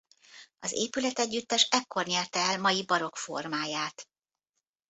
Az épületegyüttes ekkor nyerte el mai barokk formáját.